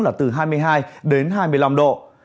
là từ hai mươi hai đến hai mươi năm độ